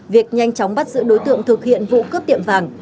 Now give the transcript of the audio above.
việc nhanh chóng bắt giữ đối tượng thực hiện vụ cướp tiệm vàng